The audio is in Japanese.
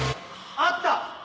あった！